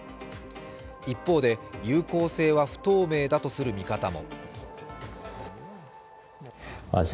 一方で、有効性は不透明だとする見方も。